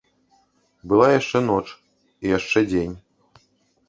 Была яшчэ ноч і яшчэ дзень.